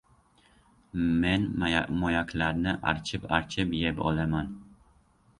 Men moyaklarni archib-archib yeb olaman.